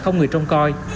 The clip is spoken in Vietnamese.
không người trông coi